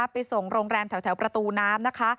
ไปส่งโรงแรมแถวประตูน้ำนะคะ